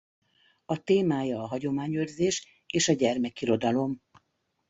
A témája a hagyományőrzés és a gyermekirodalom.